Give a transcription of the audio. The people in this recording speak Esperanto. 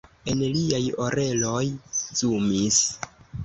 En liaj oreloj zumis.